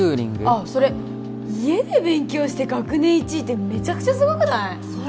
あそれ家で勉強して学年１位ってめちゃくちゃすごくない？